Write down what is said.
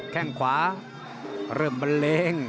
แค่งขวาเริ่มเบลง